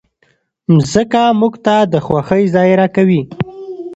مځکه موږ ته د خوښۍ ځای راکوي.